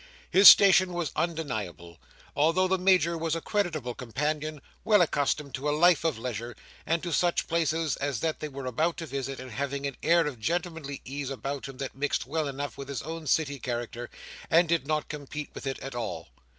His station was undeniable. Altogether the Major was a creditable companion, well accustomed to a life of leisure, and to such places as that they were about to visit, and having an air of gentlemanly ease about him that mixed well enough with his own City character, and did not compete with it at all.